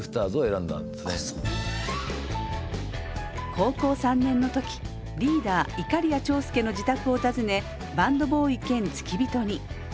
高校３年の時リーダーいかりや長介の自宅を訪ねバンドボーイ兼付き人に。